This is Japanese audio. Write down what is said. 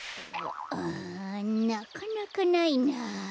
うんなかなかないな。